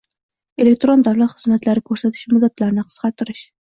elektron davlat xizmatlari ko‘rsatish muddatlarini qisqartirish.